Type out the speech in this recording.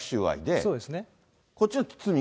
そうですね。